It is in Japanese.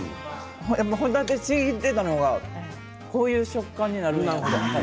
ほたてをちぎっていたのがこういう食感になるんだって。